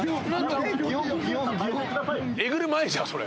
えぐる前じゃんそれ。